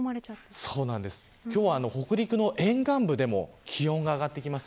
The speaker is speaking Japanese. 北陸の沿岸部でも気温が上がってきます。